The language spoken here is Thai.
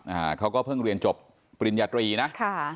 อ่าเขาก็เพิ่งเรียนจบปริญญาตรีนะค่ะ